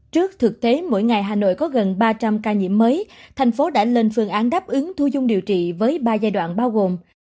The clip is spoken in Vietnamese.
trước thực tế mỗi ngày hà nội có gần ba trăm linh ca nhiễm mới thành phố đã lên phương án đáp ứng thu dung điều trị với ba giai đoạn bao gồm